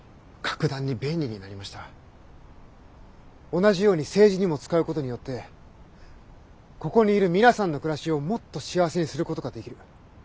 同じように政治にも使うことによってここにいる皆さんの暮らしをもっと幸せにすることができる。